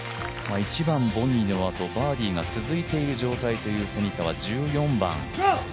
１番ボギーのあとバーディーが続いている状態という蝉川、１４番。